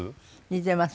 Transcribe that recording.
似ています。